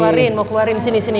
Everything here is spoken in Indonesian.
keluarin mau keluarin sini sini